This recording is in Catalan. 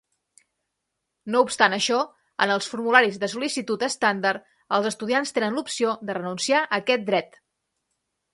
No obstant això, en els formularis de sol·licitud estàndard, els estudiants tenen l'opció de renunciar a aquest dret.